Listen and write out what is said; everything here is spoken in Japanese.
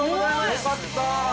◆よかった。